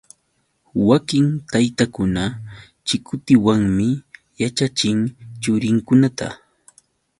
Wakin taytakuna chikutiwanmi yaćhachin churinkunata.